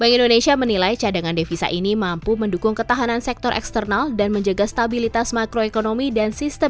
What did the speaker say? bank indonesia menilai cadangan devisa ini mampu mendukung ketahanan sektor eksternal dan menjaga stabilitas makroekonomi dan sistem